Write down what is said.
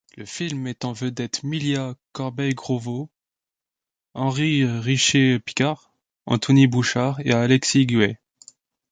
Le film met en vedette Milya Corbeil-Gauvreau, Henri Richer-Picard, Anthony Bouchard et Alexis Guay.